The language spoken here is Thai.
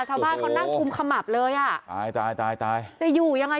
ชาวบ้านเขานั่งกุมขมับเลยอ่ะตายตายตายตายจะอยู่ยังไง